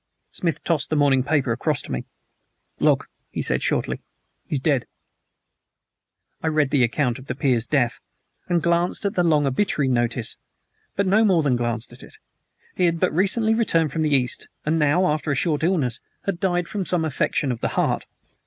Smith tossed the morning paper across to me. "Look," he said shortly. "He's dead." I read the account of the peer's death, and glanced at the long obituary notice; but no more than glanced at it. He had but recently returned from the East, and now, after a short illness, had died from some affection of the heart.